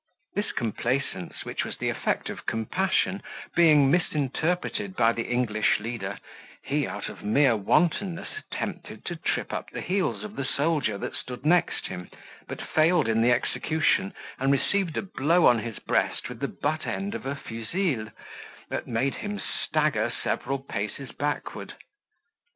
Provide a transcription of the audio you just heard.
This complaisance, which was the effect of compassion, being misinterpreted by the English leader, he, out of mere wantonness, attempted to trip up the heels of the soldier that stood next him, but failed in the execution, and received a blow on his breast with the butt end of a fusil, that made him stagger several paces backward.